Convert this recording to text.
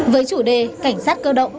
với chủ đề cảnh sát cơ động